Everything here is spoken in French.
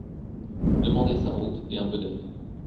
Demander sa route et un peu d’aide.